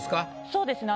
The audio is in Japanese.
そうですね。